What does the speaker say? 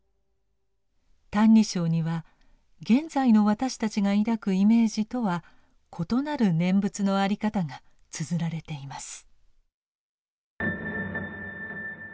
「歎異抄」には現在の私たちが抱くイメージとは異なる念仏の在り方がつづられています。